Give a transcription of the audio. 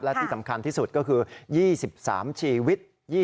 และที่สำคัญที่สุดก็คือ๒๓ชีวิต